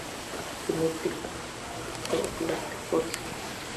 তিনি তীক্ষ্ণভাবে উপলব্ধি করেছিলেন।